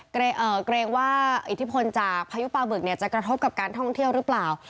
เกรงว่าอิทธิพลจากพายุปลาบึกเนี่ยจะกระทบกับการท่องเที่ยวหรือเปล่า